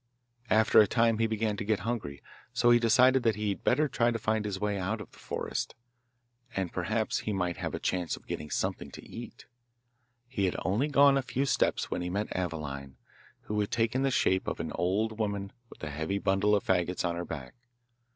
After a time he began to get hungry, so he decided that he had better try to find his way out of the forest, and perhaps he might have a chance of getting something to eat. He had only gone a few steps when he met Aveline, who had taken the shape of an old woman with a heavy bundle of faggots on her back.